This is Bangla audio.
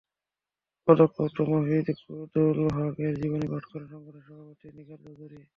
পদক প্রাপ্ত মফিদুল হক-এর জীবনী পাঠ করেন সংগঠনের সহসভাপতি নিগার চৌধুরী।